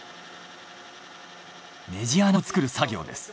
ネジ穴を作る作業です。